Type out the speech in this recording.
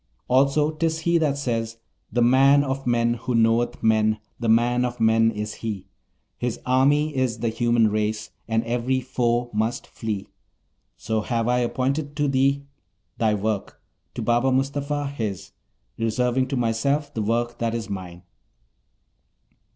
Also 'tis he that says: "The man of men who knoweth men, the Man of men is he! His army is the human race, and every foe must flee." So have I apportioned to thee thy work, to Baba Mustapha his; reserving to myself the work that is mine!'